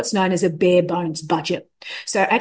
dan melakukan apa yang disebut budget berbentuk